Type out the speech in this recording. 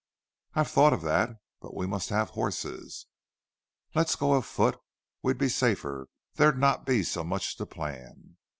"I've thought of that. But we must have horses." "Let's go afoot. We'd be safer. There'd not be so much to plan."